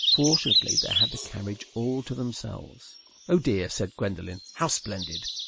Fortunately they had the carriage all to themselves. "Oh dear!" said Gwendolen. "How splendid!"